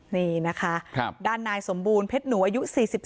นี่นะคะด้านนายสมบูรณเพชรหนูอายุ๔๒